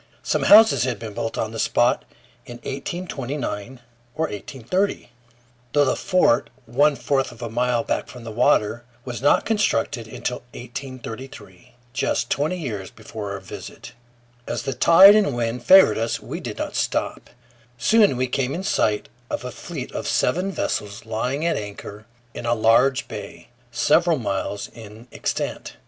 Some houses had been built on the spot in 1829 or 1830, though the fort, one fourth of a mile back from water, was not constructed until 1833, just twenty years before our visit. As the tide and wind favored us, we did not stop. Soon we came in sight of a fleet of seven vessels lying at anchor in a large bay, several miles in extent.